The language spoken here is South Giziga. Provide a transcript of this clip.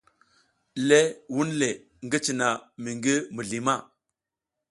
Le vunle ngi cina mi ngi mizli ma.